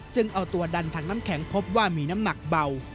จึงเอาตัวดันถังน้ำแข็งพบว่ามีน้ำหนักเบา